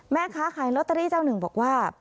แม่ค้าขายลอตเตอรี่เจ้าหนึ่งบอกว่า